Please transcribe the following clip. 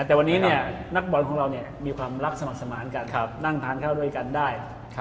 แต่วันนี้นักบอลของเรามีความรักสมัครสมานกันนั่งทานข้าวด้วยกันได้